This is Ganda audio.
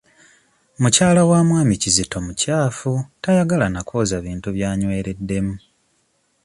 Mukyala wa mwami Kizito mukyafu tayagala na kwoza bintu by'anywereddemu.